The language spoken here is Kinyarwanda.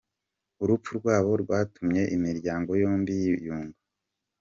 Uru rupfu rwabo rwatumye imiryango yombi yiyunga.